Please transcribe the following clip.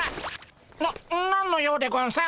な何の用でゴンス？